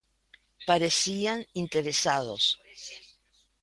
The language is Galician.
Parecían interesados.